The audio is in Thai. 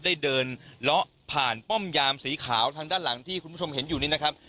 ได้เดินเลาะผ่านป้อมยามสีขาวทางด้านหลังที่คุณผู้ชมเห็นอยู่นี่นะครับ